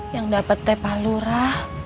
yang dapat teh palura